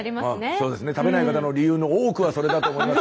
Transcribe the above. そうですね食べない方の理由の多くはそれだと思いますけど。